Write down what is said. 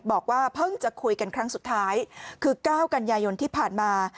บอกว่าเพิ่งจะคุยกันครั้งสุดท้ายคือ๙กันยายนที่ผ่านมา